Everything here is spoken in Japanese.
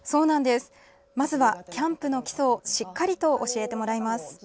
まずは、キャンプの基礎をしっかりと教えてもらいます。